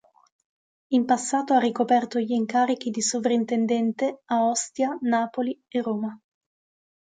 In passato ha ricoperto gli incarichi di Sovrintendente a Ostia, Napoli e Roma.